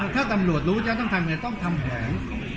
ถ้าตำรวจรู้จะต้องทำยังไงต้องทำแผน